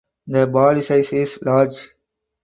The body size is large.